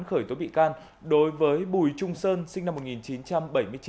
khởi tố bị can đối với bùi trung sơn sinh năm một nghìn chín trăm bảy mươi chín